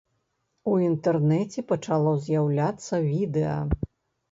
У інтэрнэце пачало з'яўляцца відэа.